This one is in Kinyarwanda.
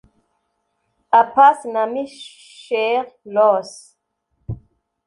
A-Pass na Micheal Ross